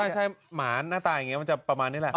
ใช่หมาหน้าตามันจะประมาณนี้แหละ